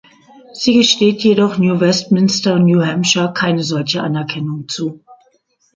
Sie gesteht jedoch New Westminster und New Hampshire keine solche Anerkennung zu.